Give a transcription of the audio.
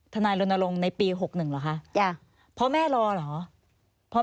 ธนายรณรงค์ในปี๖๑หรอคะพ่อแม่รอเหรอใช่